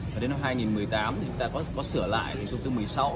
và đến năm hai nghìn một mươi tám thì chúng ta có sửa lại thì thông tư một mươi sáu